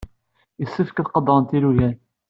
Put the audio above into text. Yessefk ad qadrent ilugan.